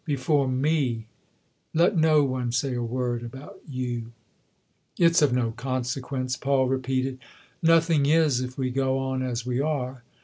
Before me let no one say a word about you !"" It's of no consequence," Paul repeated. " Nothing is, if we go on as we are.